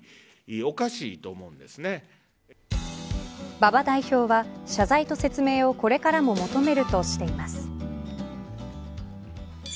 馬場代表は謝罪と説明をこれからも求めるとしています。